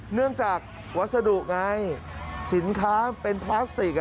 เนื่องจากวัสดุไงสินค้าเป็นพลาสติก